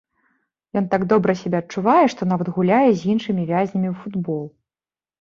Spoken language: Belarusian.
Ён так добра сябе адчувае, што нават гуляе з іншымі вязнямі ў футбол.